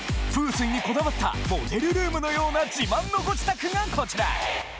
風水にこだわったモデルルームのような自慢のご自宅がこちら。